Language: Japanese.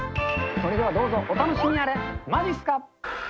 それではどうぞ、お楽しみあれ、まじっすか。